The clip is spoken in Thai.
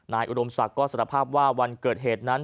อุดมศักดิ์ก็สารภาพว่าวันเกิดเหตุนั้น